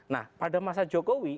nah pada masa jokowi